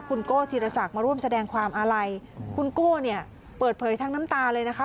คุณโก้ธีรศักดิ์มาร่วมแสดงความอาลัยคุณโก้เนี่ยเปิดเผยทั้งน้ำตาเลยนะคะ